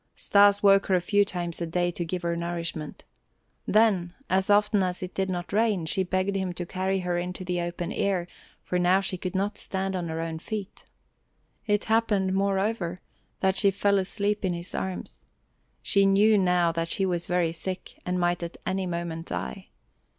Stas woke her a few times a day to give her nourishment. Then, as often as it did not rain, she begged him to carry her into the open air for now she could not stand on her own feet. It happened, moreover, that she fell asleep in his arms. She knew now that she was very sick and might at any moment die.